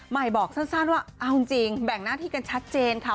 บอกสั้นว่าเอาจริงแบ่งหน้าที่กันชัดเจนค่ะ